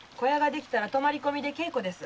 そのあと泊まり込みで稽古です。